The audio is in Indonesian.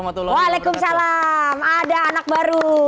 waalaikumsalam ada anak baru